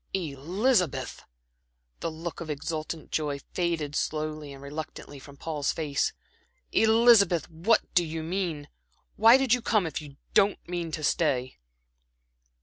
"Elizabeth!" The look of exultant joy faded slowly and reluctantly from Paul's face. "Elizabeth, what do you mean? Why did you come if you don't mean to stay?"